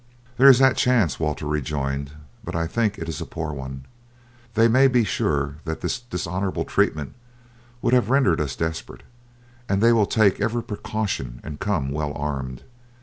"There is that chance," Walter rejoined, "but I think it is a poor one. They may be sure that this dishonourable treatment will have rendered us desperate, and they will take every precaution and come well armed.